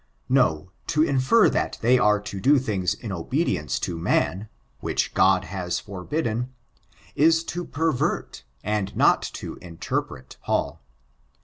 No, to infer that they ars to do things to obedience to man, which God has forbidden, is to pervert, and not to interpret Paul.